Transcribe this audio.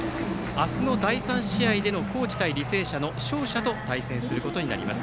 明日の第３試合での高知対履正社の勝者と対戦することになります。